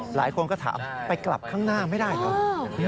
หลายคนก็ถามไปกลับข้างหน้าไม่ได้เหรอ